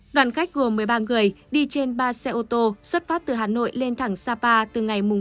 đoàn khách gồm một mươi ba người đi trên ba xe ô tô xuất phát từ hà nội lên thẳng sapa từ ngày một mươi